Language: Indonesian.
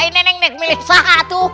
nenek nenek milih saha tuh